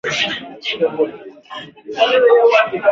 Mambo yanayosababisha ugonjwa wa kimeta